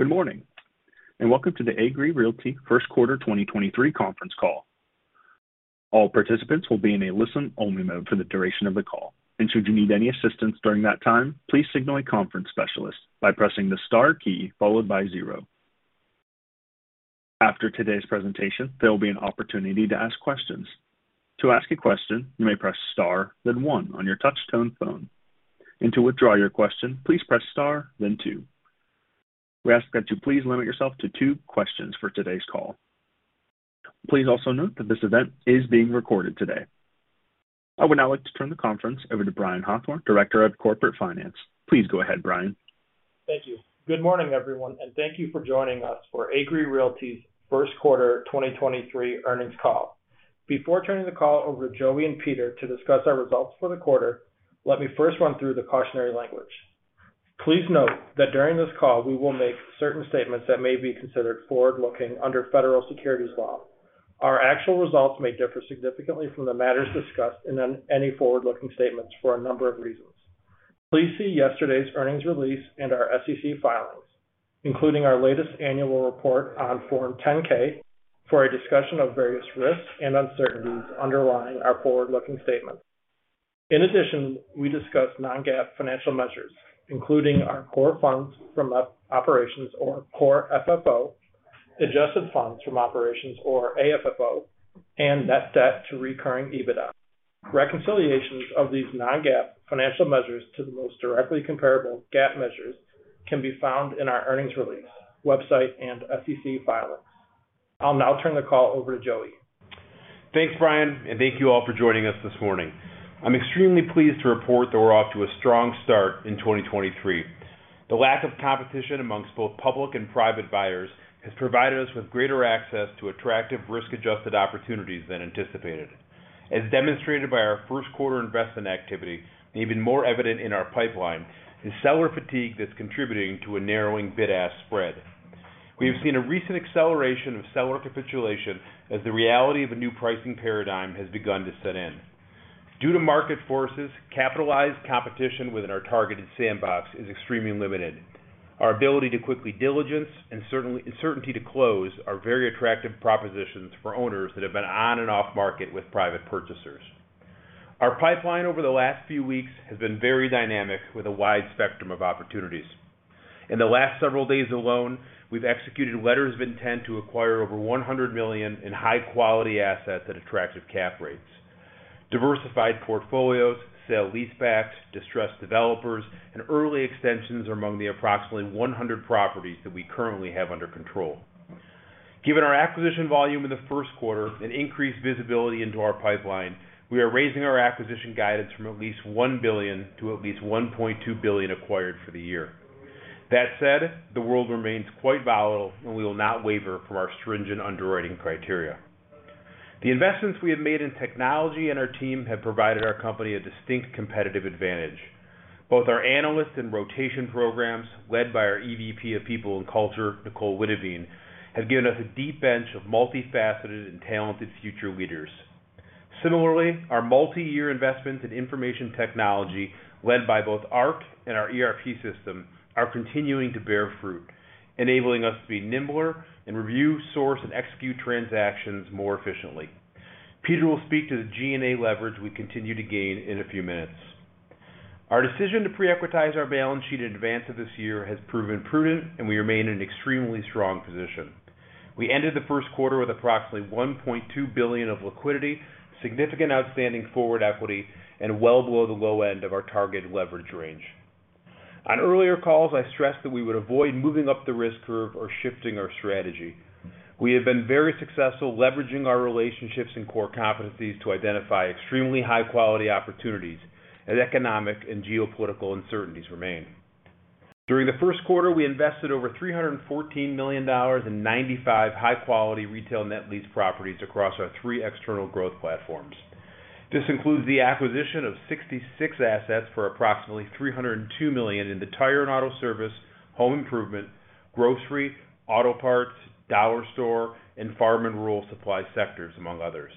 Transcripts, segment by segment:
Good morning, welcome to the Agree Realty first quarter 2023 conference call. All participants will be in a listen-only mode for the duration of the call. Should you need any assistance during that time, please signal a conference specialist by pressing the star key followed by zero. After today's presentation, there will be an opportunity to ask questions. To ask a question, you may press star, then one on your touch tone phone. To withdraw your question, please press star, then two. We ask that you please limit yourself to two questions for today's call. Please also note that this event is being recorded today. I would now like to turn the conference over to Brian Hawthorne, Director of Corporate Finance. Please go ahead, Brian. Thank you. Good morning, everyone, and thank you for joining us for Agree Realty's first quarter 2023 earnings call. Before turning the call over to Joey and Peter to discuss our results for the quarter, let me first run through the cautionary language. Please note that during this call we will make certain statements that may be considered forward-looking under federal securities law. Our actual results may differ significantly from the matters discussed in any forward-looking statements for a number of reasons. Please see yesterday's earnings release and our SEC filings, including our latest annual report on form 10-K for a discussion of various risks and uncertainties underlying our forward-looking statements. We discuss non-GAAP financial measures, including our Core Funds From Operations or Core FFO, adjusted funds from operations or AFFO, and net debt to recurring EBITDA. Reconciliations of these non-GAAP financial measures to the most directly comparable GAAP measures can be found in our earnings release, website and SEC filings. I'll now turn the call over to Joey. Thanks, Brian. Thank you all for joining us this morning. I'm extremely pleased to report that we're off to a strong start in 2023. The lack of competition amongst both public and private buyers has provided us with greater access to attractive risk-adjusted opportunities than anticipated. As demonstrated by our first quarter investment activity and even more evident in our pipeline, the seller fatigue that's contributing to a narrowing bid-ask spread. We have seen a recent acceleration of seller capitulation as the reality of a new pricing paradigm has begun to set in. Due to market forces, capitalized competition within our targeted sandbox is extremely limited. Our ability to quickly diligence and certainty to close are very attractive propositions for owners that have been on and off market with private purchasers. Our pipeline over the last few weeks has been very dynamic with a wide spectrum of opportunities. In the last several days alone, we've executed letters of intent to acquire over $100 million in high quality assets at attractive cap rates. Diversified portfolios, sale-leasebacks, distressed developers, and early extensions are among the approximately 100 properties that we currently have under control. Given our acquisition volume in the first quarter and increased visibility into our pipeline, we are raising our acquisition guidance from at least $1 billion to at least $1.2 billion acquired for the year. That said, the world remains quite volatile, and we will not waver from our stringent underwriting criteria. The investments we have made in technology and our team have provided our company a distinct competitive advantage. Both our analyst and rotation programs, led by our EVP of People and Culture, Nicole Witteveen, have given us a deep bench of multifaceted and talented future leaders. Similarly, our multi-year investments in information technology led by both ARC and our ERP system are continuing to bear fruit, enabling us to be nimbler and review, source, and execute transactions more efficiently. Peter will speak to the G&A leverage we continue to gain in a few minutes. Our decision to pre-equitize our balance sheet in advance of this year has proven prudent, and we remain in an extremely strong position. We ended the first quarter with approximately $1.2 billion of liquidity, significant outstanding forward equity, and well below the low end of our targeted leverage range. On earlier calls, I stressed that we would avoid moving up the risk curve or shifting our strategy. We have been very successful leveraging our relationships and core competencies to identify extremely high quality opportunities as economic and geopolitical uncertainties remain. During the first quarter, we invested over $314 million in 95 high-quality retail net lease properties across our three external growth platforms. This includes the acquisition of 66 assets for approximately $302 million in the tire and auto service, home improvement, grocery, auto parts, dollar store, and farm and rural supply sectors, among others.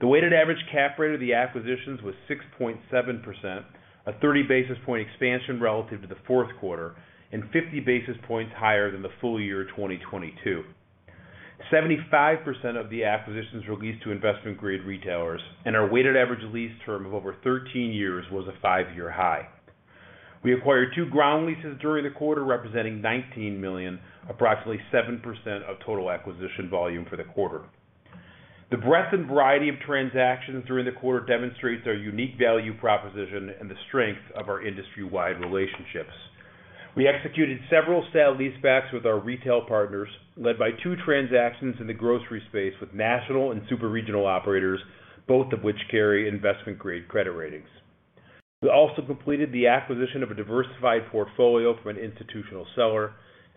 The weighted average cap rate of the acquisitions was 6.7%, a 30 basis point expansion relative to the fourth quarter, and 50 basis points higher than the full year 2022. 75% of the acquisitions were leased to investment-grade retailers, and our weighted average lease term of over 13 years was a 5-year high. We acquired two ground leases during the quarter, representing $19 million, approximately 7% of total acquisition volume for the quarter. The breadth and variety of transactions during the quarter demonstrates our unique value proposition and the strength of our industry-wide relationships. We executed several sale-leasebacks with our retail partners, led by two transactions in the grocery space with national and super-regional operators, both of which carry investment-grade credit ratings. We also completed the acquisition of a diversified portfolio from an institutional seller,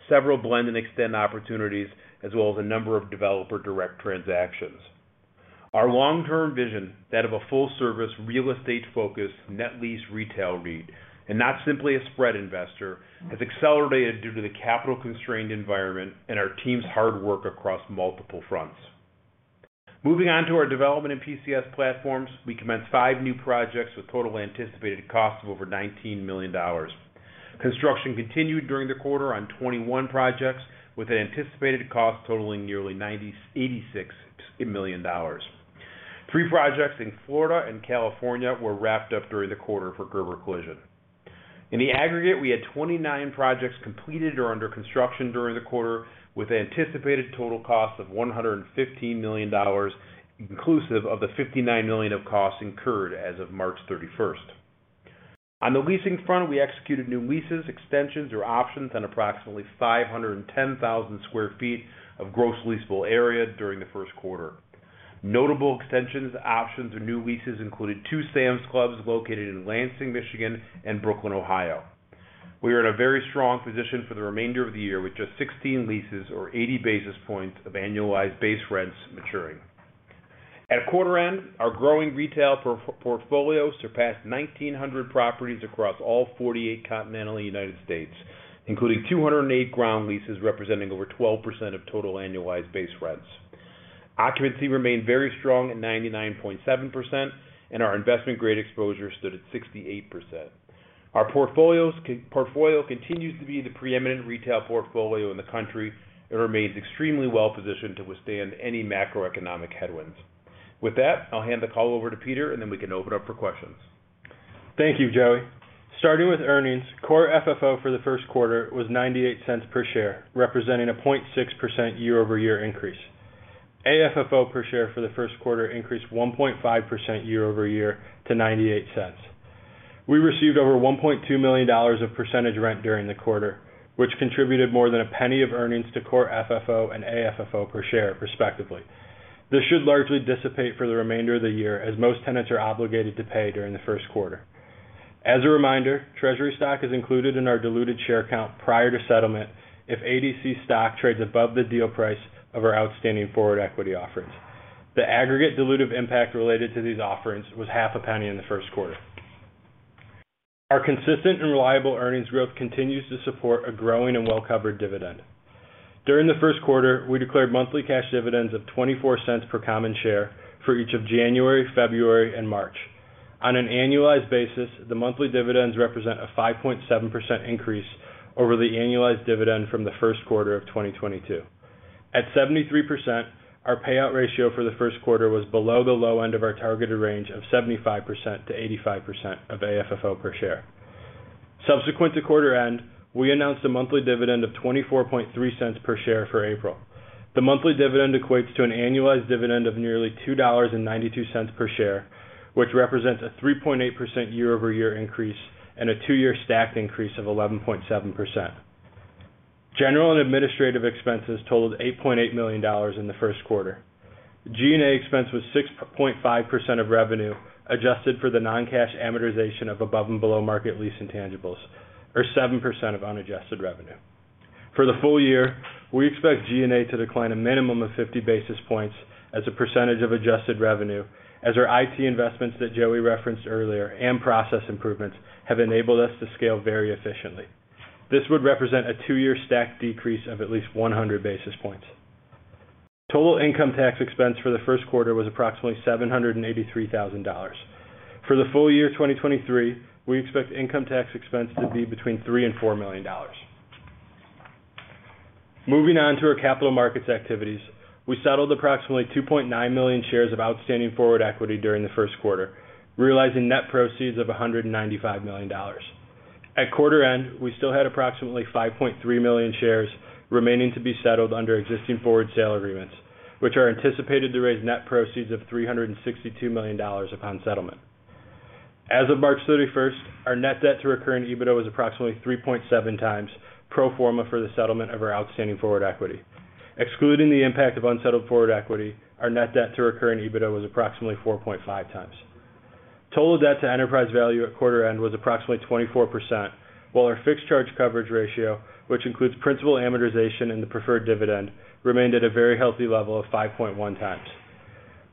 several blend-and-extend opportunities, as well as a number of developer direct transactions. Our long-term vision, that of a full-service, real estate-focused net lease retail REIT, and not simply a spread investor, has accelerated due to the capital-constrained environment and our team's hard work across multiple fronts. Moving on to our development and PCS platforms. We commenced 5 new projects with total anticipated cost of over $19 million. Construction continued during the quarter on 21 projects with an anticipated cost totaling nearly $86 million. Three projects in Florida and California were wrapped up during the quarter for Gerber Collision. In the aggregate, we had 29 projects completed or under construction during the quarter, with anticipated total costs of $115 million, inclusive of the $59 million of costs incurred as of March 31st. On the leasing front, we executed new leases, extensions or options on approximately 510,000 sq ft of gross leasable area during the first quarter. Notable extensions, options or new leases included two Sam's Clubs located in Lansing, Michigan, and Brooklyn, Ohio. We are in a very strong position for the remainder of the year with just 16 leases or 80 basis points of annualized base rents maturing. At quarter end, our growing retail portfolio surpassed 1,900 properties across all 48 continental United States, including 208 ground leases, representing over 12% of total Annualized Base Rent. Occupancy remained very strong at 99.7%, and our investment-grade exposure stood at 68%. Our portfolio continues to be the preeminent retail portfolio in the country and remains extremely well-positioned to withstand any macroeconomic headwinds. With that, I'll hand the call over to Peter, and then we can open up for questions. Thank you, Joey. Starting with earnings, Core FFO for the first quarter was $0.98 per share, representing a 0.6% year-over-year increase. AFFO per share for the first quarter increased 1.5% year-over-year to $0.98. We received over $1.2 million of percentage rent during the quarter, which contributed more than $0.01 of earnings to Core FFO and AFFO per share, respectively. This should largely dissipate for the remainder of the year as most tenants are obligated to pay during the first quarter. As a reminder, treasury stock is included in our diluted share count prior to settlement if ADC stock trades above the deal price of our outstanding forward equity offerings. The aggregate dilutive impact related to these offerings was half a penny in the first quarter. Our consistent and reliable earnings growth continues to support a growing and well-covered dividend. During the first quarter, we declared monthly cash dividends of $0.24 per common share for each of January, February, and March. On an annualized basis, the monthly dividends represent a 5.7% increase over the annualized dividend from the first quarter of 2022. At 73%, our payout ratio for the first quarter was below the low end of our targeted range of 75%-85% of AFFO per share. Subsequent to quarter end, we announced a monthly dividend of $0.243 per share for April. The monthly dividend equates to an annualized dividend of nearly $2.92 per share, which represents a 3.8% year-over-year increase and a two-year stacked increase of 11.7%. General and administrative expenses totaled $8.8 million in the first quarter. G&A expense was 6.5% of revenue, adjusted for the non-cash amortization of above and below market lease intangibles, or 7% of unadjusted revenue. For the full year, we expect G&A to decline a minimum of 50 basis points as a percentage of adjusted revenue as our IT investments that Joey referenced earlier and process improvements have enabled us to scale very efficiently. This would represent a two-year stacked decrease of at least 100 basis points. Total income tax expense for the first quarter was approximately $783,000. For the full year 2023, we expect income tax expense to be between $3 million and $4 million. Moving on to our capital markets activities. We settled approximately 2.9 million shares of outstanding forward equity during the first quarter, realizing net proceeds of $195 million. At quarter end, we still had approximately 5.3 million shares remaining to be settled under existing forward sale agreements, which are anticipated to raise net proceeds of $362 million upon settlement. As of March 31st, our net debt to recurring EBITDA was approximately 3.7 times pro forma for the settlement of our outstanding forward equity. Excluding the impact of unsettled forward equity, our net debt to recurring EBITDA was approximately 4.5 times. Total debt to enterprise value at quarter end was approximately 24%, while our fixed charge coverage ratio, which includes principal amortization and the preferred dividend, remained at a very healthy level of 5.1 times.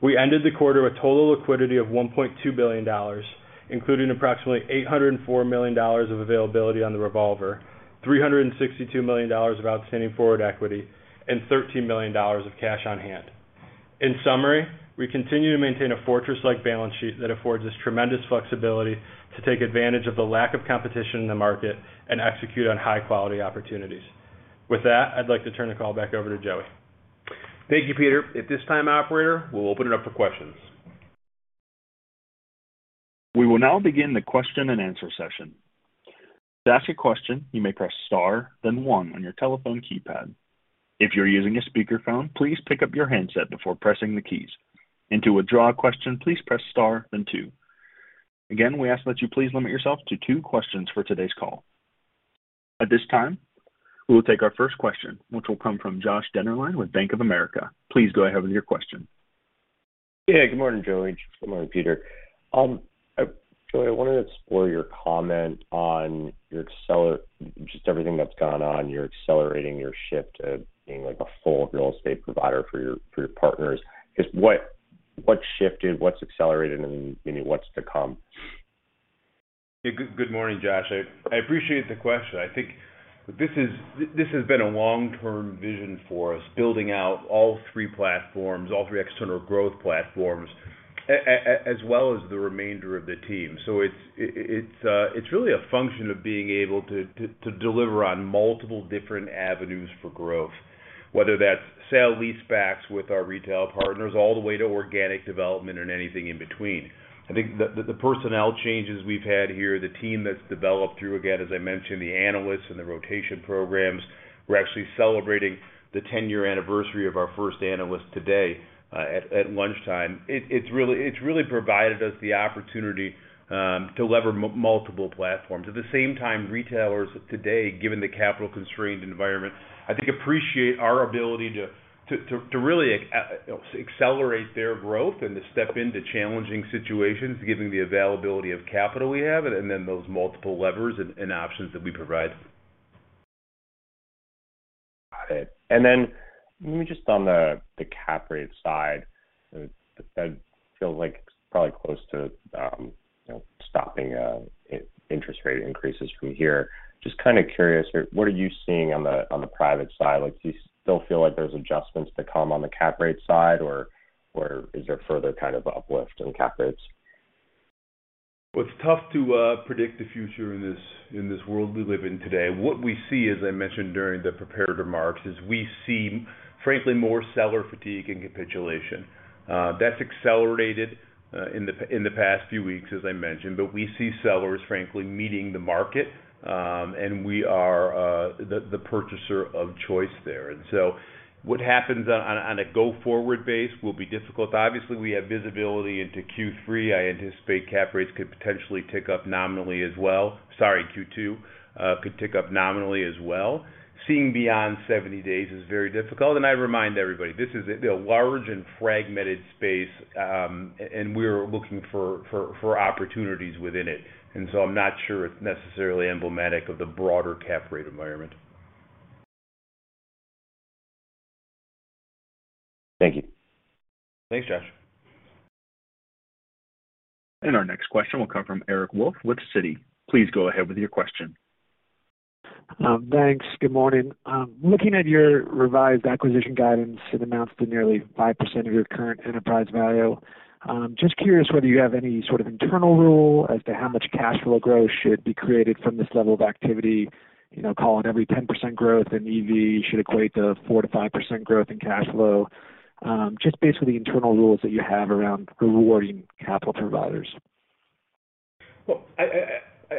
We ended the quarter with total liquidity of $1.2 billion, including approximately $804 million of availability on the revolver, $362 million of outstanding forward equity, and $13 million of cash on hand. In summary, we continue to maintain a fortress-like balance sheet that affords us tremendous flexibility to take advantage of the lack of competition in the market and execute on high-quality opportunities. With that, I'd like to turn the call back over to Joey. Thank you, Peter. At this time, operator, we'll open it up for questions. We will now begin the question-and-answer session. To ask a question, you may press star then one on your telephone keypad. If you're using a speakerphone, please pick up your handset before pressing the keys. To withdraw a question, please press star then two. Again, we ask that you please limit yourself to two questions for today's call. At this time, we will take our first question, which will come from Josh Dennerlein with Bank of America. Please go ahead with your question. Yeah. Good morning, Joey. Good morning, Peter. Joey, I wanted to explore your comment on your just everything that's gone on. You're accelerating your shift to being, like, a full real estate provider for your, for your partners. Just what's shifted, what's accelerated, and then, you know, what's to come? Good morning, Josh. I appreciate the question. I think this has been a long-term vision for us, building out all three platforms, all three external growth platforms, as well as the remainder of the team. It's really a function of being able to deliver on multiple different avenues for growth, whether that's sale-leasebacks with our retail partners all the way to organic development and anything in between. I think the personnel changes we've had here, the team that's developed through, again, as I mentioned, the analysts and the rotation programs. We're actually celebrating the 10-year anniversary of our first analyst today at lunchtime. It's really provided us the opportunity to lever multiple platforms. At the same time, retailers today, given the capital-constrained environment, I think appreciate our ability to really you know, accelerate their growth and to step into challenging situations, giving the availability of capital we have and then those multiple levers and options that we provide. Got it. Then maybe just on the cap rate side, the Fed feels like it's probably close to, you know, stopping interest rate increases from here. Just kind of curious, what are you seeing on the private side? Like, do you still feel like there's adjustments to come on the cap rate side or is there further kind of uplift in cap rates? Well, it's tough to predict the future in this, in this world we live in today. What we see, as I mentioned during the prepared remarks, is we see frankly more seller fatigue and capitulation. That's accelerated in the past few weeks, as I mentioned, but we see sellers frankly meeting the market, and we are the purchaser of choice there. What happens on a go-forward base will be difficult. Obviously, we have visibility into Q3. I anticipate cap rates could potentially tick up nominally as well. Sorry, Q2, could tick up nominally as well. Seeing beyond 70 days is very difficult, and I remind everybody this is a large and fragmented space, and we're looking for opportunities within it. I'm not sure it's necessarily emblematic of the broader cap rate environment. Thank you. Thanks, Josh. Our next question will come from Eric Wolfe with Citi. Please go ahead with your question. Thanks. Good morning. Looking at your revised acquisition guidance, it amounts to nearly 5% of your current enterprise value. Just curious whether you have any sort of internal rule as to how much cash flow growth should be created from this level of activity. You know, call it every 10% growth in EV should equate to 4% to 5% growth in cash flow. Just basically internal rules that you have around rewarding capital providers. Well,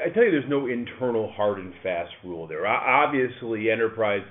I tell you there's no internal hard and fast rule there. Obviously, enterprise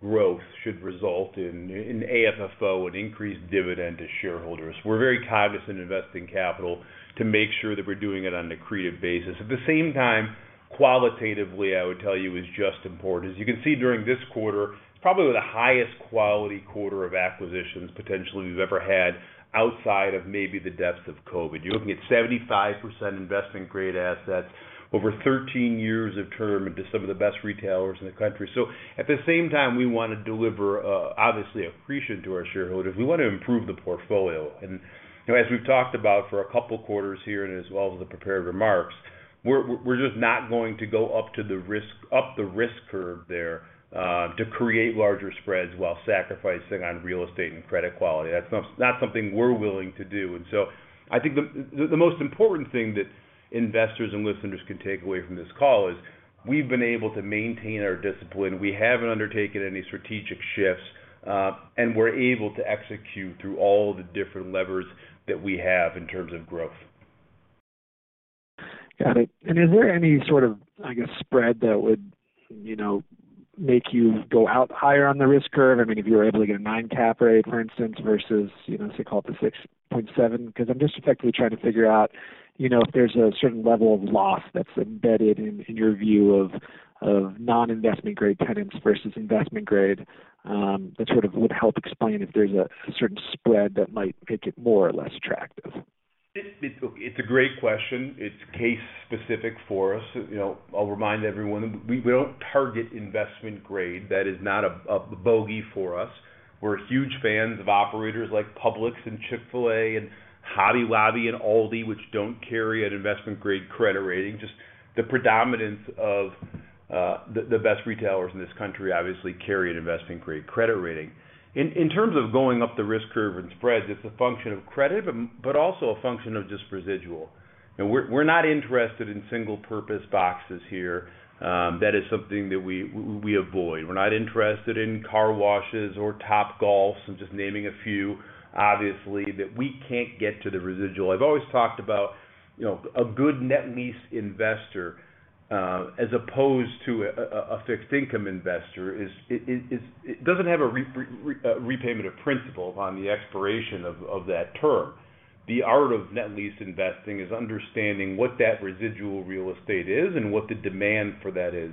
growth should result in AFFO, an increased dividend to shareholders. We're very cognizant investing capital to make sure that we're doing it on an accretive basis. At the same time, qualitatively, I would tell you is just important. As you can see during this quarter, it's probably the highest quality quarter of acquisitions potentially we've ever had outside of maybe the depths of COVID. You're looking at 75% investment-grade assets over 13 years of term into some of the best retailers in the country. At the same time, we wanna deliver obviously accretion to our shareholders. We want to improve the portfolio. You know, as we've talked about for a couple quarters here and as well as the prepared remarks, we're just not going to go up the risk curve there to create larger spreads while sacrificing on real estate and credit quality. That's not something we're willing to do. So I think the most important thing that investors and listeners can take away from this call is we've been able to maintain our discipline. We haven't undertaken any strategic shifts and we're able to execute through all the different levers that we have in terms of growth. Got it. Is there any sort of, I guess, spread that would, you know, make you go out higher on the risk curve? I mean, if you were able to get a 9 cap rate, for instance, versus, you know, say, call it the 6.7? I'm just effectively trying to figure out, you know, if there's a certain level of loss that's embedded in your view of non-investment grade tenants versus investment grade, that sort of would help explain if there's a certain spread that might make it more or less attractive. It's a great question. It's case specific for us. You know, I'll remind everyone, we don't target investment grade. That is not a bogey for us. We're huge fans of operators like Publix and Chick-fil-A and Hobby Lobby and ALDI, which don't carry an investment-grade credit rating. Just the predominance of the best retailers in this country obviously carry an investment-grade credit rating. In terms of going up the risk curve and spreads, it's a function of credit, but also a function of just residual. You know, we're not interested in single purpose boxes here. That is something that we avoid. We're not interested in car washes or Topgolfs. I'm just naming a few, obviously, that we can't get to the residual. I've always talked about, you know, a good net lease investor, as opposed to a fixed income investor is doesn't have a repayment of principal upon the expiration of that term. The art of net lease investing is understanding what that residual real estate is and what the demand for that is.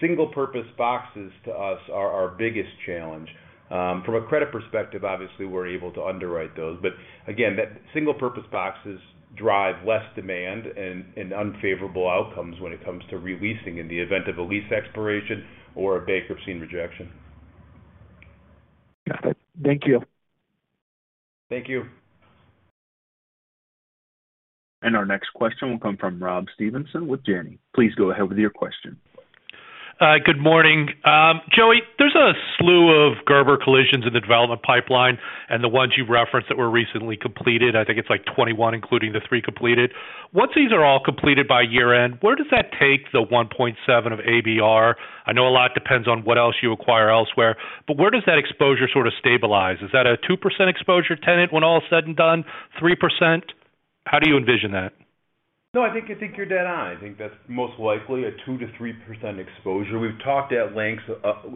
Single purpose boxes to us are our biggest challenge. From a credit perspective, obviously, we're able to underwrite those, but again, that single purpose boxes drive less demand and unfavorable outcomes when it comes to re-leasing in the event of a lease expiration or a bankruptcy and rejection. Got it. Thank you. Thank you. Our next question will come from Rob Stevenson with Janney. Please go ahead with your question. Good morning. Joey, there's a slew of Gerber Collisions in the development pipeline and the ones you've referenced that were recently completed. I think it's like 21, including the three completed. Once these are all completed by year-end, where does that take the 1.7% of ABR? I know a lot depends on what else you acquire elsewhere, but where does that exposure sort of stabilize? Is that a 2% exposure tenant when all is said and done, 3%? How do you envision that? No, I think you're dead on. I think that's most likely a 2%-3% exposure. We've talked at lengths,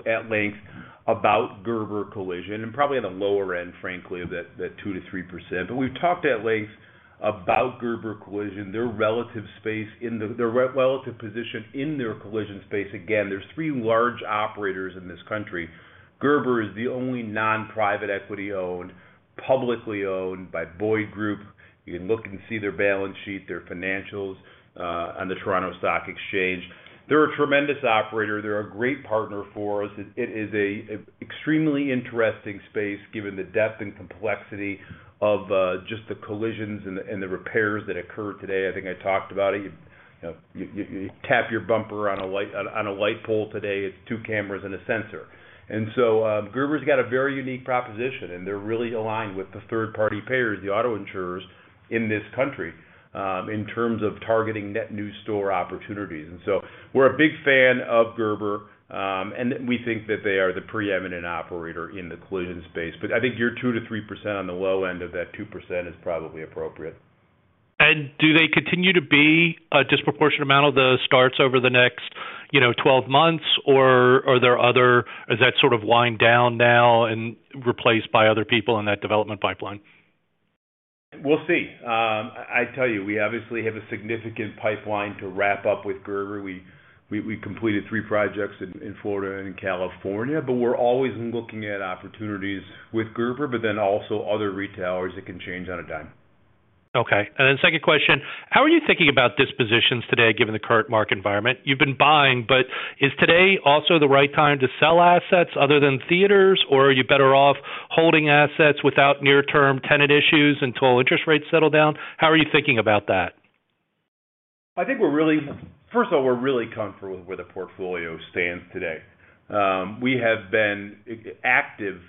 at length about Gerber Collision and probably on the lower end, frankly, of that 2%-3%. We've talked at length about Gerber Collision, their relative position in their collision space. Again, there's 3 large operators in this country. Gerber is the only non-private equity-owned, publicly owned by Boyd Group. You can look and see their balance sheet, their financials, on the Toronto Stock Exchange. They're a tremendous operator. They're a great partner for us. It is a extremely interesting space given the depth and complexity of just the collisions and the repairs that occur today. I think I talked about it. You know, you tap your bumper on a light, on a light pole today, it's two cameras and a sensor. Gerber's got a very unique proposition, and they're really aligned with the third-party payers, the auto insurers in this country, in terms of targeting net new store opportunities. We're a big fan of Gerber, and we think that they are the preeminent operator in the collision space. But I think your 2%-3% on the low end of that 2% is probably appropriate. Do they continue to be a disproportionate amount of the starts over the next, you know, 12 months? Is that sort of wind down now and replaced by other people in that development pipeline? We'll see. I tell you, we obviously have a significant pipeline to wrap up with Gerber. We completed three projects in Florida and in California, but we're always looking at opportunities with Gerber, but then also other retailers that can change on a dime. Okay. Second question, how are you thinking about dispositions today, given the current market environment? You've been buying, but is today also the right time to sell assets other than theaters, or are you better off holding assets without near-term tenant issues until interest rates settle down? How are you thinking about that? First of all, we're really comfortable with where the portfolio stands today. We have been e-active,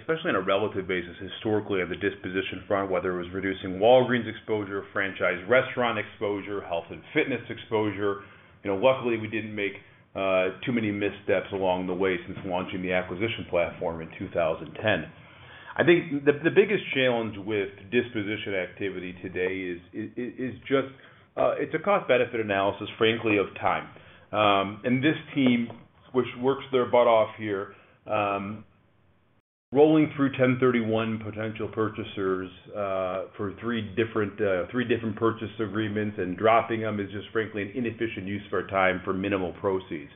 especially on a relative basis historically on the disposition front, whether it was reducing Walgreens exposure, franchise restaurant exposure, health and fitness exposure. You know, luckily, we didn't make too many missteps along the way since launching the acquisition platform in 2010. I think the biggest challenge with disposition activity today is just it's a cost-benefit analysis, frankly, of time. This team, which works their butt off here, rolling through 1031 potential purchasers for three different purchase agreements and dropping them is just frankly an inefficient use of our time for minimal proceeds.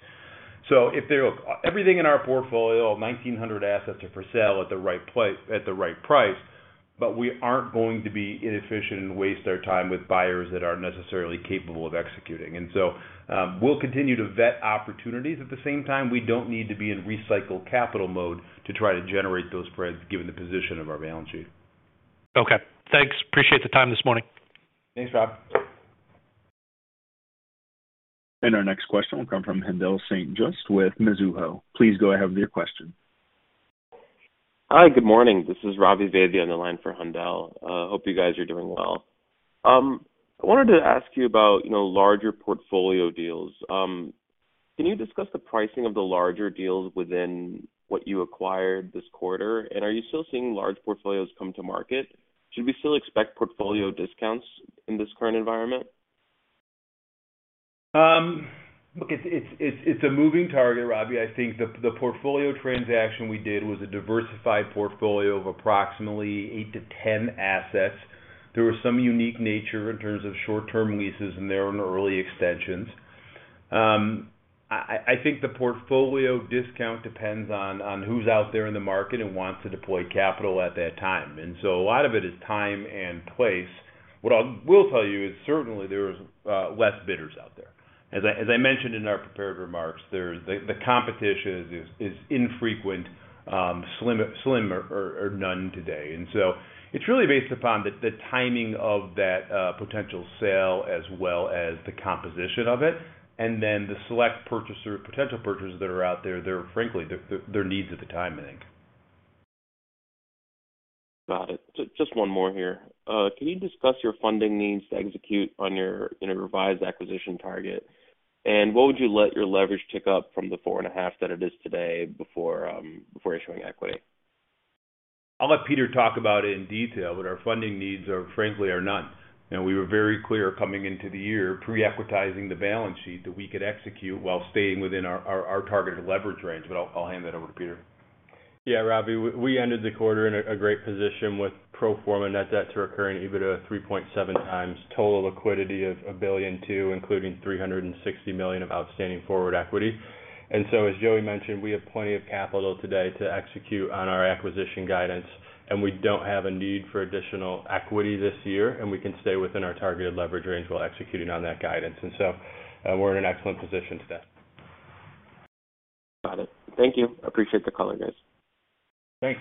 Everything in our portfolio of 1,900 assets are for sale at the right price, but we aren't going to be inefficient and waste our time with buyers that aren't necessarily capable of executing. We'll continue to vet opportunities. At the same time, we don't need to be in recycle capital mode to try to generate those spreads given the position of our balance sheet. Okay. Thanks. Appreciate the time this morning. Thanks, Rob. Our next question will come from Haendel St. Juste with Mizuho. Please go ahead with your question. Hi, good morning. This is Ravi Vaidya on the line for Hendel. Hope you guys are doing well. I wanted to ask you about, you know, larger portfolio deals. Can you discuss the pricing of the larger deals within what you acquired this quarter? Are you still seeing large portfolios come to market? Should we still expect portfolio discounts in this current environment? Look, it's, it's a moving target, Ravi. I think the portfolio transaction we did was a diversified portfolio of approximately 8-10 assets. There was some unique nature in terms of short-term leases, and there are early extensions. I think the portfolio discount depends on who's out there in the market and wants to deploy capital at that time. A lot of it is time and place. What I will tell you is certainly there is less bidders out there. As I mentioned in our prepared remarks, the competition is infrequent, slim or none today. It's really based upon the timing of that potential sale as well as the composition of it, and then the select purchaser, potential purchasers that are out there. They're frankly, their needs at the time, I think. Got it. Just one more here. Can you discuss your funding needs to execute on your, in a revised acquisition target? What would you let your leverage tick up from the 4.5 that it is today before issuing equity? I'll let Peter talk about it in detail. Our funding needs are, frankly, none. We were very clear coming into the year, pre-equitizing the balance sheet, that we could execute while staying within our targeted leverage range. I'll hand that over to Peter. Yeah, Ravi, we ended the quarter in a great position with pro forma net debt to recurring EBITDA 3.7 times total liquidity of $1.2 billion, including $360 million of outstanding forward equity. As Joey mentioned, we have plenty of capital today to execute on our acquisition guidance, and we don't have a need for additional equity this year, and we can stay within our targeted leverage range while executing on that guidance. We're in an excellent position today. Got it. Thank you. Appreciate the call, guys. Thanks.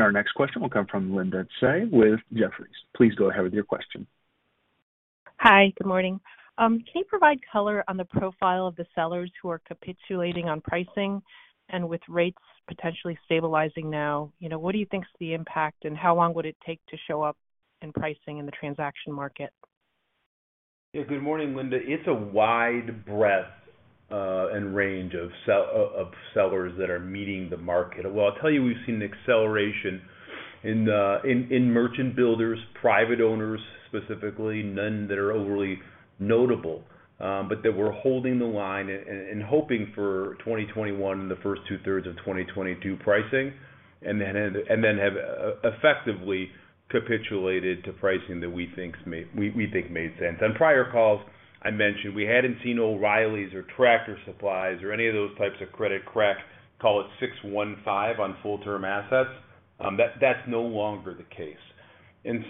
Our next question will come from Linda Tsai with Jefferies. Please go ahead with your question. Hi. Good morning. Can you provide color on the profile of the sellers who are capitulating on pricing and with rates potentially stabilizing now, you know, what do you think is the impact and how long would it take to show up in pricing in the transaction market? Yeah, good morning, Linda. It's a wide breadth and range of sellers that are meeting the market. Well, I'll tell you, we've seen an acceleration in merchant builders, private owners, specifically, none that are overly notable, but that we're holding the line and hoping for 2021, the first two-thirds of 2022 pricing, and then have effectively capitulated to pricing that we think made sense. On prior calls, I mentioned we hadn't seen O'Reilly's or Tractor Supplies or any of those types of credit crack, call it 6.15 on full term assets. That's no longer the case. You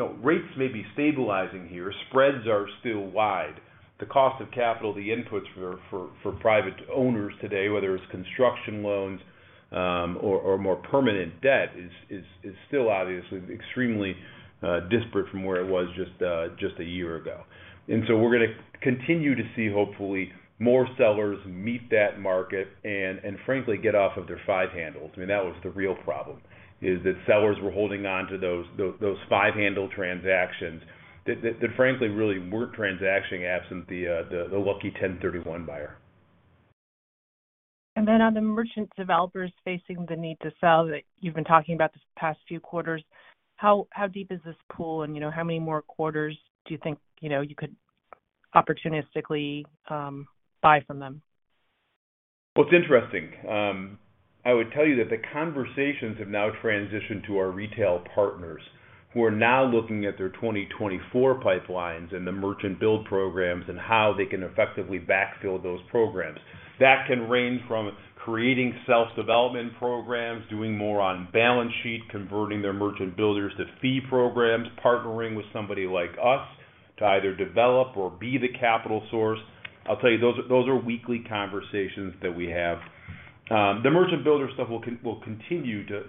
know, rates may be stabilizing here, spreads are still wide. The cost of capital, the inputs for private owners today, whether it's construction loans, or more permanent debt, is still obviously extremely disparate from where it was just a year ago. We're gonna continue to see, hopefully, more sellers meet that market and frankly get off of their five handles. I mean, that was the real problem, is that sellers were holding on to those five handle transactions that frankly, really weren't transacting absent the lucky 1031 buyer. On the merchant developers facing the need to sell that you've been talking about this past few quarters, how deep is this pool and, you know, how many more quarters do you think, you know, you could opportunistically buy from them? Well, it's interesting. I would tell you that the conversations have now transitioned to our retail partners, who are now looking at their 2024 pipelines and the merchant build programs and how they can effectively backfill those programs. That can range from creating self-development programs, doing more on balance sheet, converting their merchant builders to fee programs, partnering with somebody like us to either develop or be the capital source. I'll tell you, those are weekly conversations that we have. The merchant builder stuff will continue to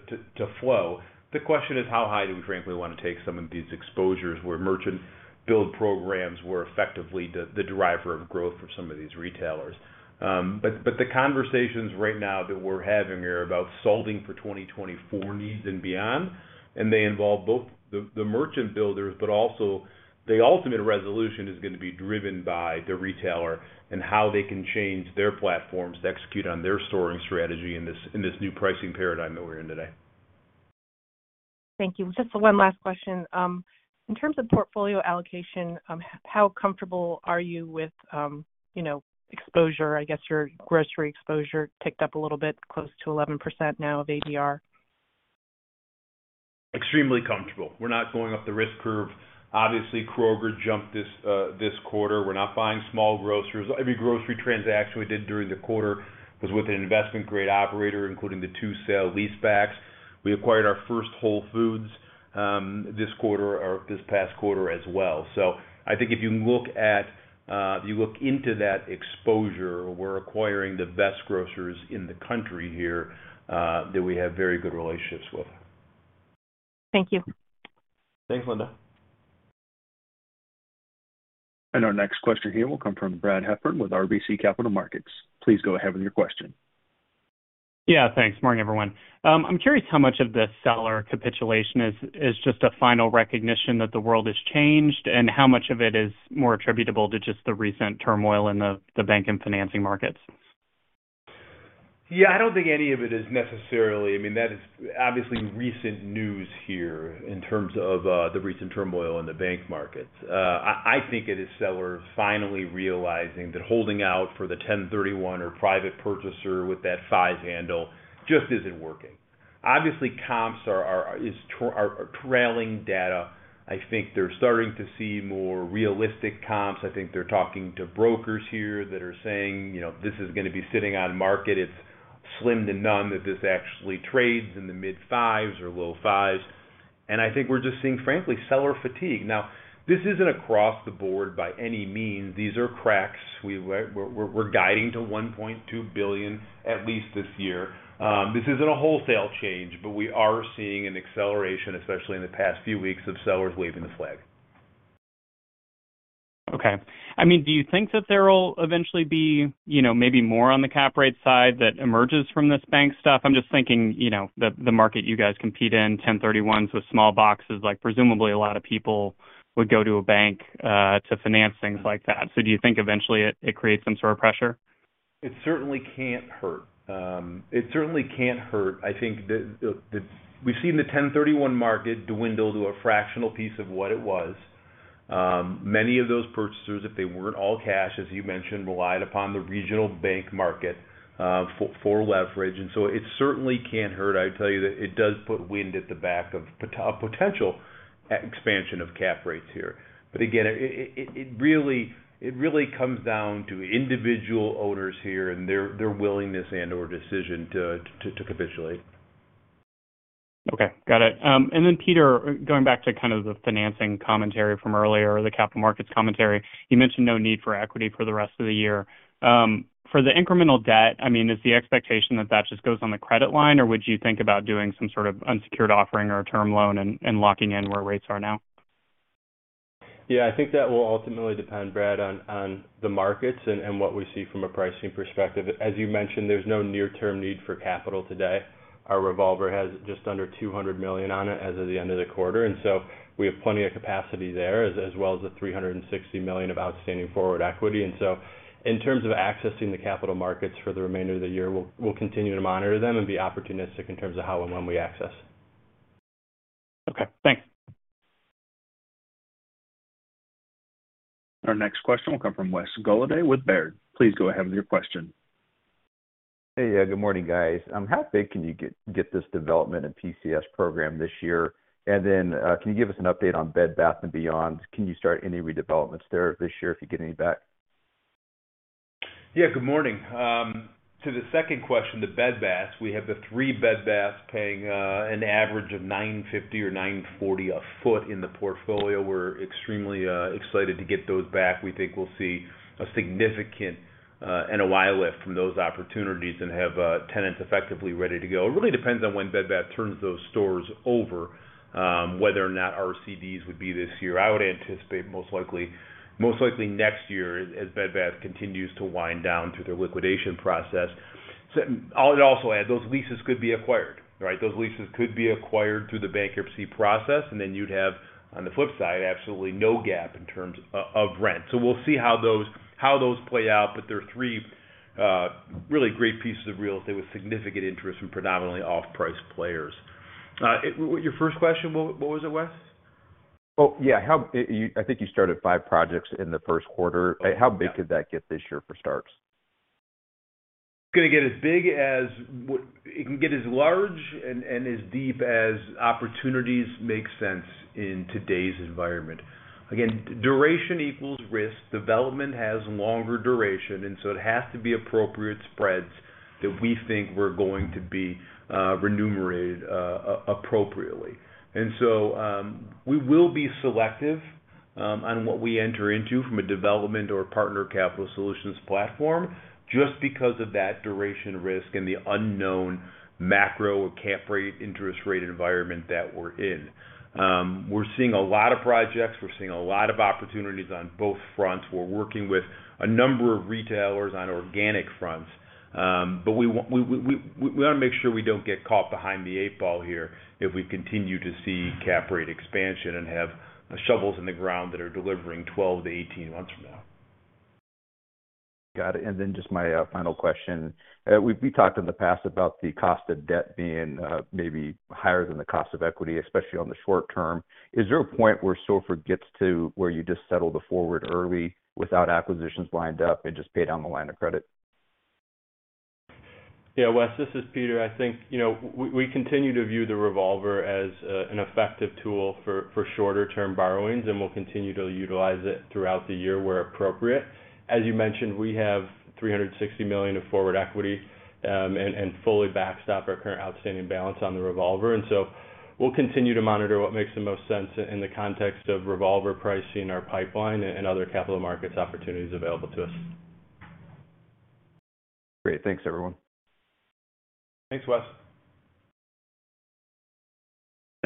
flow. The question is, how high do we frankly wanna take some of these exposures where merchant build programs were effectively the driver of growth for some of these retailers? The conversations right now that we're having here are about solving for 2024 needs and beyond, and they involve both the merchant builders, but also the ultimate resolution is gonna be driven by the retailer and how they can change their platforms to execute on their storing strategy in this, in this new pricing paradigm that we're in today. Thank you. Just one last question. In terms of portfolio allocation, how comfortable are you with, you know, exposure? I guess your grocery exposure ticked up a little bit, close to 11% now of ABR. Extremely comfortable. We're not going up the risk curve. Obviously, Kroger jumped this this quarter. We're not buying small grocers. Every grocery transaction we did during the quarter was with an investment-grade operator, including the two sale leasebacks. We acquired our first Whole Foods this quarter or this past quarter as well. I think if you look at, if you look into that exposure, we're acquiring the best grocers in the country here, that we have very good relationships with. Thank you. Thanks, Linda. Our next question here will come from Brad Heffern with RBC Capital Markets. Please go ahead with your question. Yeah, thanks. Morning, everyone. I'm curious how much of the seller capitulation is just a final recognition that the world has changed, and how much of it is more attributable to just the recent turmoil in the bank and financing markets? I don't think any of it is necessarily. I mean, that is obviously recent news here in terms of the recent turmoil in the bank markets. I think it is sellers finally realizing that holding out for the 1031 or private purchaser with that size handle just isn't working. Obviously, comps are trailing data. I think they're starting to see more realistic comps. I think they're talking to brokers here that are saying, you know, this is gonna be sitting on market. It's slim to none that this actually trades in the mid-fives or low fives. I think we're just seeing, frankly, seller fatigue. Now, this isn't across the board by any means. These are cracks. We're guiding to $1.2 billion at least this year. This isn't a wholesale change, but we are seeing an acceleration, especially in the past few weeks, of sellers waving this flag. Okay. I mean, do you think that there will eventually be, you know, maybe more on the cap rate side that emerges from this bank stuff? I'm just thinking, you know, the market you guys compete in, 1031s with small boxes, like, presumably a lot of people would go to a bank, to finance things like that. Do you think eventually it creates some sort of pressure? It certainly can't hurt. It certainly can't hurt. I think the we've seen the 1031 market dwindle to a fractional piece of what it was. Many of those purchasers, if they weren't all cash, as you mentioned, relied upon the regional bank market, for leverage. It certainly can't hurt. I'd tell you that it does put wind at the back of a potential expansion of cap rates here. Again, it really comes down to individual owners here and their willingness and/or decision to capitulate. Okay, got it. Peter, going back to kind of the financing commentary from earlier, the capital markets commentary. You mentioned no need for equity for the rest of the year. For the incremental debt, I mean, is the expectation that that just goes on the credit line, or would you think about doing some sort of unsecured offering or a term loan and locking in where rates are now? I think that will ultimately depend, Brad, on the markets and what we see from a pricing perspective. As you mentioned, there's no near-term need for capital today. Our revolver has just under $200 million on it as of the end of the quarter. We have plenty of capacity there, as well as the $360 million of outstanding forward equity. In terms of accessing the capital markets for the remainder of the year, we'll continue to monitor them and be opportunistic in terms of how and when we access. Okay, thanks. Our next question will come from Wes Golladay with Baird. Please go ahead with your question. Hey. Yeah, good morning, guys. How big can you get this development and PCS program this year? Can you give us an update on Bed Bath & Beyond? Can you start any redevelopments there this year if you get any back? Good morning. To the second question, the Bed Bath, we have the three Bed Bath paying an average of $9.50 or $9.40 a foot in the portfolio. We're extremely excited to get those back. We think we'll see a significant NOI lift from those opportunities and have tenants effectively ready to go. It really depends on when Bed Bath turns those stores over, whether or not our CDs would be this year. I would anticipate most likely next year as Bed Bath continues to wind down through their liquidation process. I'll also add, those leases could be acquired, right? Those leases could be acquired through the bankruptcy process, and then you'd have, on the flip side, absolutely no gap in terms of rent. We'll see how those play out, but they're three really great pieces of real estate with significant interest from predominantly off-price players. With your first question, what was it, Wes? Oh, yeah. I think you started five projects in the first quarter. How big could that get this year for starts? Gonna get as big as It can get as large and as deep as opportunities make sense in today's environment. Again, duration equals risk. Development has longer duration, it has to be appropriate spreads that we think we're going to be remunerated appropriately. We will be selective on what we enter into from a development or partner capital solutions platform just because of that duration risk and the unknown macro cap rate, interest rate environment that we're in. We're seeing a lot of projects. We're seeing a lot of opportunities on both fronts. We're working with a number of retailers on organic fronts, but we wanna make sure we don't get caught behind the eight ball here if we continue to see cap rate expansion and have the shovels in the ground that are delivering 12 to 18 months from now. Got it. Just my final question. We talked in the past about the cost of debt being maybe higher than the cost of equity, especially on the short term. Is there a point where SOFR gets to where you just settle the forward early without acquisitions lined up and just pay down the line of credit? Yeah, Wes, this is Peter. I think, you know, we continue to view the revolver as an effective tool for shorter term borrowings, we'll continue to utilize it throughout the year where appropriate. As you mentioned, we have $360 million of forward equity, and fully backstop our current outstanding balance on the revolver. We'll continue to monitor what makes the most sense in the context of revolver pricing, our pipeline, and other capital markets opportunities available to us. Great. Thanks, everyone. Thanks, Wes.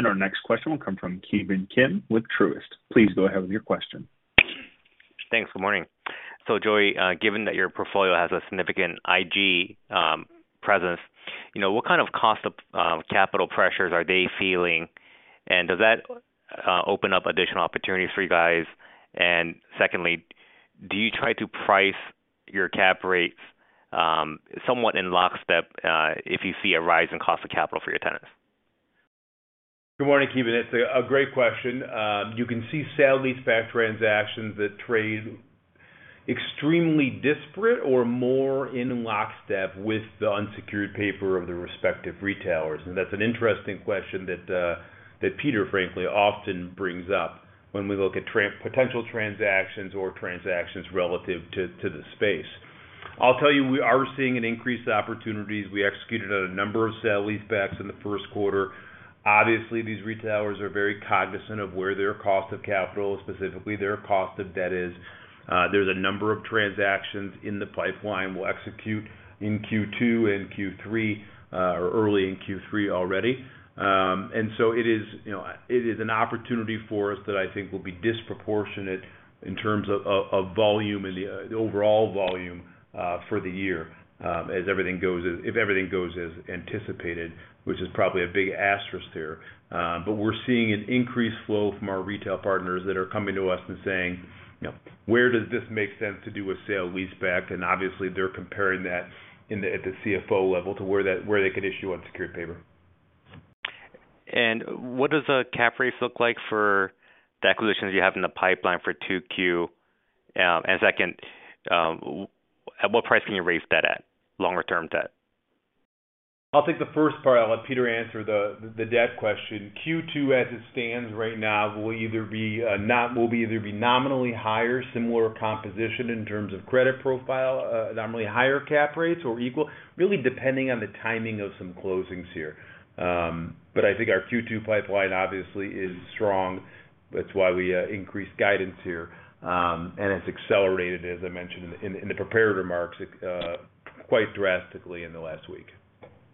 Our next question will come from Ki Bin Kim with Truist. Please go ahead with your question. Thanks. Good morning. Joey, given that your portfolio has a significant IG presence, you know, what kind of cost of capital pressures are they feeling? Does that open up additional opportunities for you guys? Secondly, do you try to price your cap rates somewhat in lockstep if you see a rise in cost of capital for your tenants? Good morning, Kevin. It's a great question. You can see sale leaseback transactions that trade extremely disparate or more in lockstep with the unsecured paper of the respective retailers. That's an interesting question that Peter frankly often brings up when we look at potential transactions or transactions relative to the space. I'll tell you, we are seeing an increased opportunities. We executed on a number of sale leasebacks in the first quarter. Obviously, these retailers are very cognizant of where their cost of capital, specifically their cost of debt is. There's a number of transactions in the pipeline we'll execute in Q2 and Q3 or early in Q3 already. It is, you know, it is an opportunity for us that I think will be disproportionate in terms of volume and the overall volume for the year, as everything goes as anticipated, which is probably a big asterisk there. We're seeing an increased flow from our retail partners that are coming to us and saying, you know, "Where does this make sense to do a sale leaseback?" Obviously, they're comparing that at the CFO level to where they can issue unsecured paper. What does the cap rates look like for the acquisitions you have in the pipeline for 2Q? Second, at what price can you raise debt at, longer term debt? I'll take the first part. I'll let Peter answer the debt question. Q2, as it stands right now, will either be nominally higher, similar composition in terms of credit profile, nominally higher cap rates or equal, really depending on the timing of some closings here. I think our Q2 pipeline obviously is strong. That's why we increased guidance here. And it's accelerated, as I mentioned in the prepared remarks, quite drastically in the last week.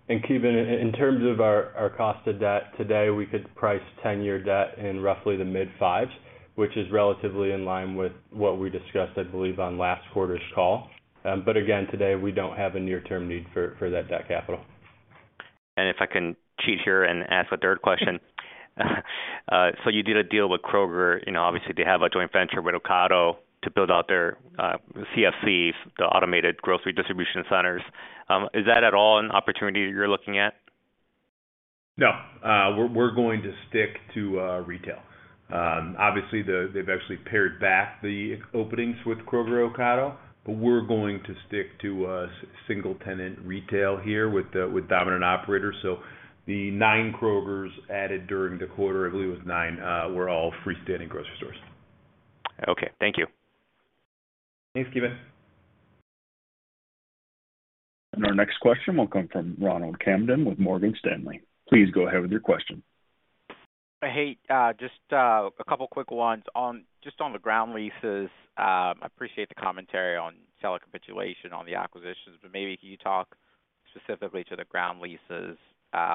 Ki Bin, in terms of our cost of debt today, we could price 10-year debt in roughly the mid-5s, which is relatively in line with what we discussed, I believe, on last quarter's call. Again, today we don't have a near-term need for that debt capital. If I can cheat here and ask a third question. You did a deal with Kroger. You know, obviously, they have a joint venture with Ocado to build out their CFCs, the automated grocery distribution centers. Is that at all an opportunity you're looking at? No. we're going to stick to retail. obviously, they've actually pared back the openings with Kroger-Ocado, but we're going to stick to single tenant retail here with dominant operators. The nine Krogers added during the quarter, I believe it was nine, were all freestanding grocery stores. Okay, thank you. Thanks, Ki Bin. Our next question will come from Ronald Kamdem with Morgan Stanley. Please go ahead with your question. Hey, just a couple quick ones. Just on the ground leases, I appreciate the commentary on seller capitulation on the acquisitions, but maybe can you talk specifically to the ground leases,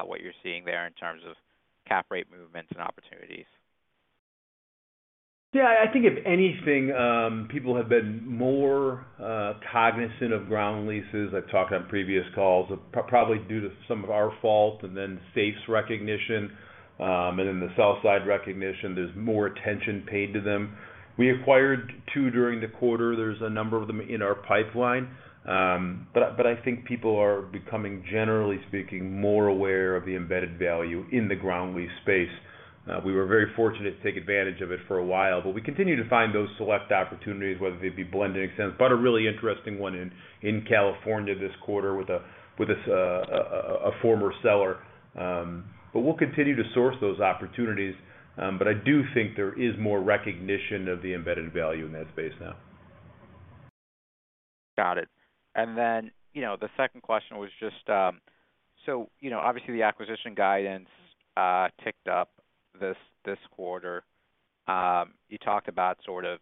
what you're seeing there in terms of cap rate movements and opportunities? I think if anything, people have been more cognizant of ground leases. I've talked on previous calls of probably due to some of our fault and then GAAP recognition, and then the sell side recognition, there's more attention paid to them. We acquired two during the quarter. There's a number of them in our pipeline. I think people are becoming, generally speaking, more aware of the embedded value in the ground lease space. We were very fortunate to take advantage of it for a while, but we continue to find those select opportunities, whether they be blending extent. A really interesting one in California this quarter with this, a former seller. We'll continue to source those opportunities. I do think there is more recognition of the embedded value in that space now. Got it. You know, the second question was just, so, you know, obviously the acquisition guidance ticked up this quarter. You talked about sort of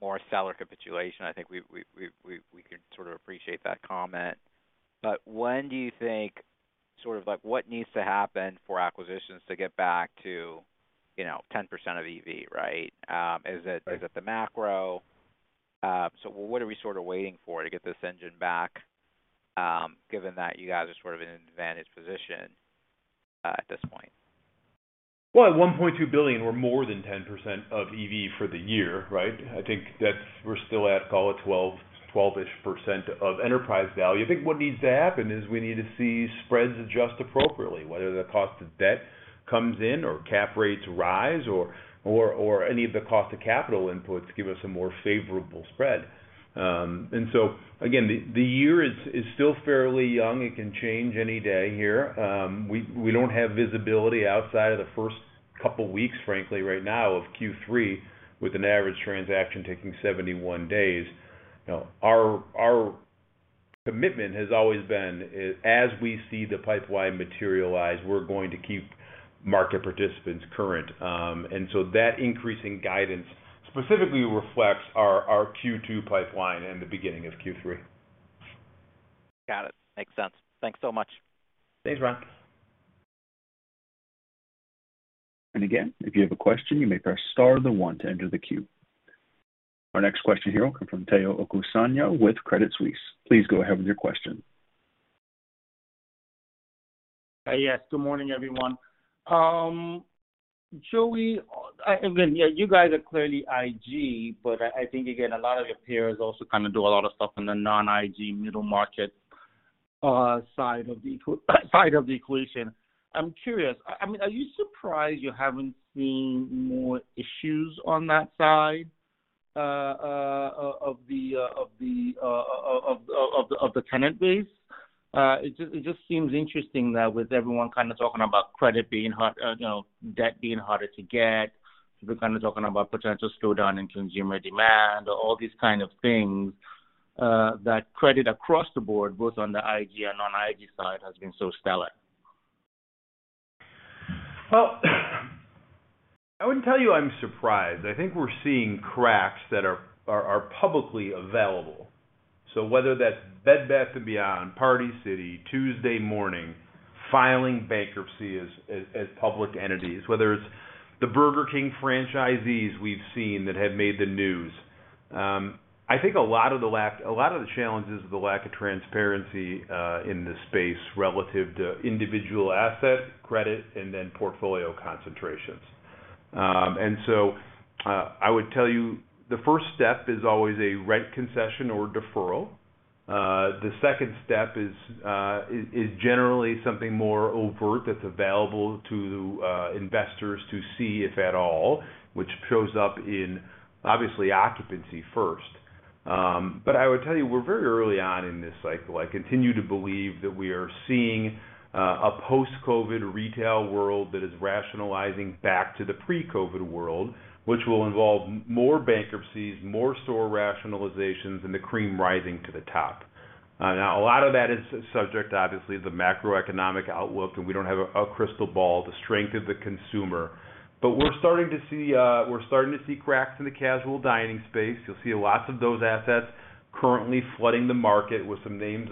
more seller capitulation. I think we can sort of appreciate that comment. When do you think, sort of like what needs to happen for acquisitions to get back to, you know, 10% of EV, right? Right. Is it the macro? What are we sort of waiting for to get this engine back, given that you guys are sort of in an advantaged position, at this point? Well, at $1.2 billion, we're more than 10% of EV for the year, right? I think that we're still at call it 12-ish % of enterprise value. I think what needs to happen is we need to see spreads adjust appropriately, whether the cost of debt comes in or cap rates rise or any of the cost of capital inputs give us a more favorable spread. Again, the year is still fairly young. It can change any day here. We don't have visibility outside of the first couple weeks, frankly, right now of Q3, with an average transaction taking 71 days. You know, our commitment has always been, as we see the pipeline materialize, we're going to keep market participants current. That increase in guidance specifically reflects our Q2 pipeline and the beginning of Q3. Got it. Makes sense. Thanks so much. Thanks, Ron. Again, if you have a question, you may press star then one to enter the queue. Our next question here will come from Tayo Okusanya with Credit Suisse. Please go ahead with your question. Good morning, everyone. Joey, I mean, yeah, you guys are clearly IG, but I think, again, a lot of your peers also kind of do a lot of stuff in the non-IG middle market, side of the equation. I'm curious, I mean, are you surprised you haven't seen more issues on that side of the tenant base? It just seems interesting that with everyone kind of talking about credit being hard, you know, debt being harder to get, people kind of talking about potential slowdown in consumer demand, all these kind of things, that credit across the board, both on the IG and non-IG side, has been so stellar. Well, I wouldn't tell you I'm surprised. I think we're seeing cracks that are publicly available. Whether that's Bed Bath & Beyond, Party City, Tuesday Morning, filing bankruptcy as public entities, whether it's the Burger King franchisees we've seen that have made the news. I think a lot of the challenge is the lack of transparency in this space relative to individual asset credit and then portfolio concentrations. I would tell you the first step is always a rent concession or deferral. The second step is generally something more overt that's available to investors to see, if at all, which shows up in obviously occupancy first. I would tell you we're very early on in this cycle. I continue to believe that we are seeing, a post-COVID retail world that is rationalizing back to the pre-COVID world, which will involve more bankruptcies, more store rationalizations, and the cream rising to the top. Now, a lot of that is subject, obviously, the macroeconomic outlook, and we don't have a crystal ball, the strength of the consumer. We're starting to see, we're starting to see cracks in the casual dining space. You'll see lots of those assets currently flooding the market with some names,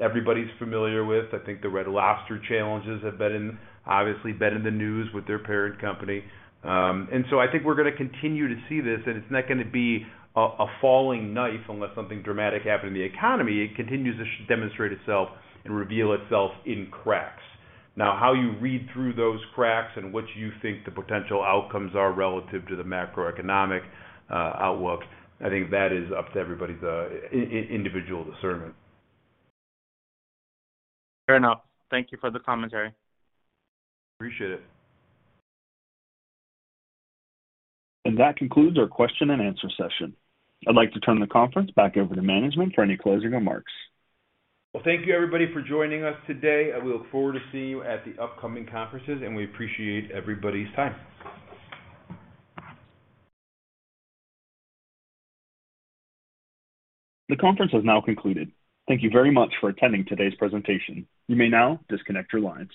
everybody's familiar with. I think the Red Lobster challenges have obviously been in the news with their parent company. I think we're gonna continue to see this, and it's not gonna be a falling knife unless something dramatic happened in the economy. It continues to demonstrate itself and reveal itself in cracks. How you read through those cracks and what you think the potential outcomes are relative to the macroeconomic outlook, I think that is up to everybody's individual discernment. Fair enough. Thank you for the commentary. Appreciate it. That concludes our question and answer session. I'd like to turn the conference back over to management for any closing remarks. Well, thank you, everybody, for joining us today. We look forward to seeing you at the upcoming conferences, and we appreciate everybody's time. The conference has now concluded. Thank you very much for attending today's presentation. You may now disconnect your lines.